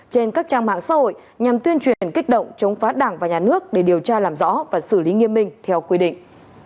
trên các trang mạng xã hội nhằm tuyên truyền kích động chống phá đảng và nhà nước để điều tra làm rõ và xử lý nghiêm minh theo quy định